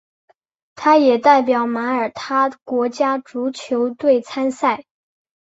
他也代表马耳他国家足球队参赛。